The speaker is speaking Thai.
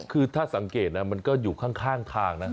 คือถ้าสังเกตนะมันก็อยู่ข้างทางนะ